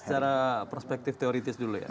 secara perspektif teoritis dulu ya